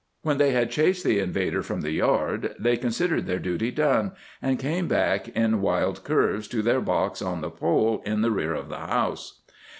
When they had chased the invader from the yard they considered their duty done, and came back in wild curves to their box on the pole in the rear of the house.